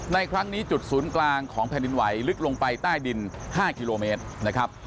ในครั้งนี้จุดศูนย์กลางของแผ่นดินไหวลึกลงไปใต้ดิน๕กิโลเมตรนะครับ